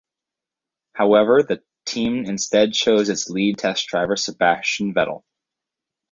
However, the team instead chose its lead test driver Sebastian Vettel.